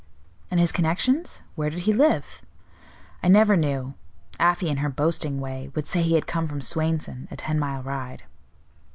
"And his connections? Where did he live?" "I never knew. Afy, in her boasting way, would say he had come from Swainson, a ten mile ride."